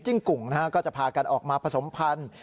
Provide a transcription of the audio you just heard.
กุ่งนะฮะก็จะพากันออกมาผสมพันธุ์